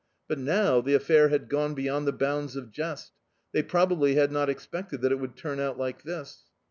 But, now, the affair had gone beyond the bounds of jest; they probably had not expected that it would turn out like this.